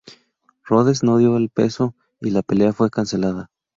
Rhodes no dio el peso y la pelea fue cancelada.